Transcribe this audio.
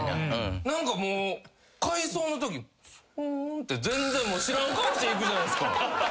何かもう回送のときすーんって全然知らん顔していくじゃないですか。